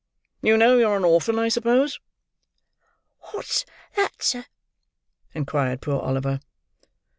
You know you're an orphan, I suppose?" "What's that, sir?" inquired poor Oliver.